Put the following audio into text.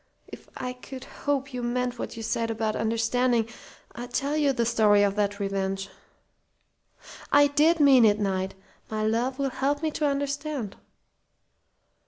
If I could hope you meant what you said about understanding I'd tell you the story of that revenge." "I did mean it, Knight. My love will help me to understand."